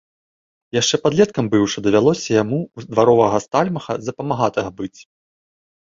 Яшчэ падлеткам быўшы, давялося яму ў дваровага стальмаха за памагатага быць.